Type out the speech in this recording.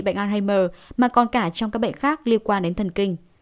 bệnh alzheimer mà còn cả trong các bệnh khác liên quan đến thần kinh